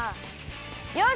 よし！